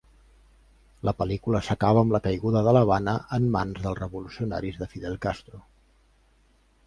La pel·lícula s'acaba amb la caiguda de l'Havana en mans dels revolucionaris de Fidel Castro.